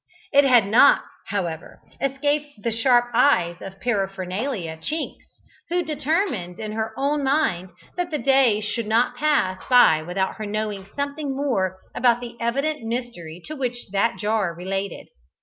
It had not, however, escaped the sharp eyes of Paraphernalia Chinks, who determined in her own mind that the day should not pass by without her knowing something more about the evident mystery to which that jar related.